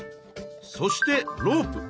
そしてロープ。